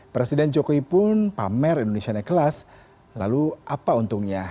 presiden jokowi pun pamer indonesia naik kelas lalu apa untungnya